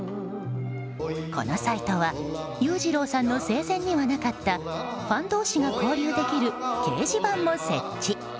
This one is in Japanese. このサイトは裕次郎さんの生前にはなかったファン同士が交流できる掲示板も設置。